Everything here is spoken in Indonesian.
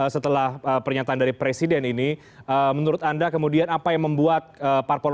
setelah pernyataan dari presiden ini menurut anda kemudian apa yang membuat parpol